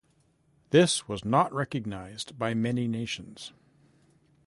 This was not recognized by many nations.